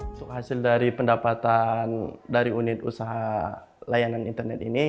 untuk hasil dari pendapatan dari unit usaha layanan internet ini